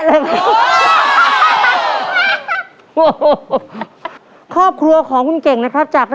โอ้โหครอบครัวของคุณเก่งนะครับจากน้องชายทำได้หรือไม่ได้